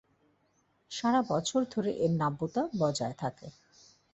সারা বছর ধরে এর নাব্যতা বজায় থাকে।